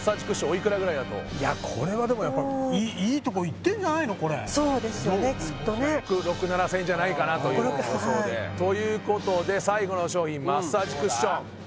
おいくらぐらいだといやこれはでもやっぱいいとこいってんじゃないのそうですよねきっとね６７千円じゃないかなというはい予想でということで最後の商品マッサージクッションどうだ？